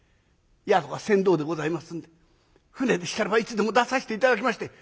夫は船頭でございますんで舟でしたらばいつでも出さして頂きまして」。